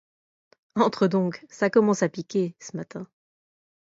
Entre donc, ça commence à piquer, ce matin.